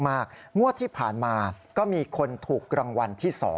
งวดที่ผ่านมาก็มีคนถูกรางวัลที่๒